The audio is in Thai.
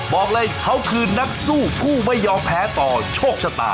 บอกเลยเขาคือนักสู้ผู้ไม่ยอมแพ้ต่อโชคชะตา